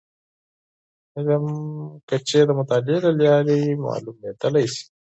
د علم کچې د مطالعې له لارې معلومیدلی شي.